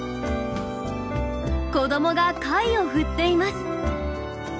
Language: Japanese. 子どもが貝を振っています。